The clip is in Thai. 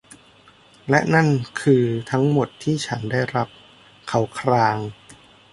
และนั่นคือทั้งหมดที่ฉันได้รับ เขาคราง